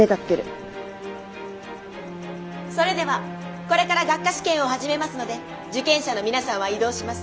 それではこれから学科試験を始めますので受験者の皆さんは移動します。